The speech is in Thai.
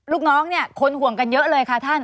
ลูกน้องค่ะคนห่วงกันเยอะเลยค่ะ